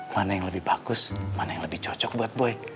mana yang lebih bagus mana yang lebih cocok buat boy